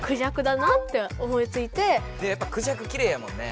やっぱクジャクきれいやもんね。